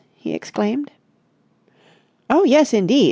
he exclaimed. "Oh, yes, indeed!"